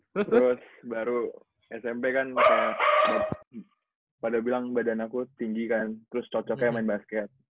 terus baru smp kan masa pada bilang badan aku tinggi kan terus cocoknya main basket